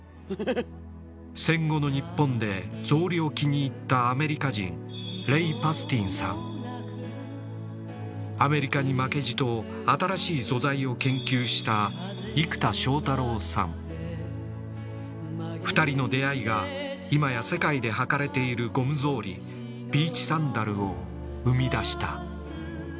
戦後の日本で草履を気に入ったアメリカ人アメリカに負けじと新しい素材を研究した２人の出会いが今や世界で履かれているゴム草履ビーチサンダルを生み出した。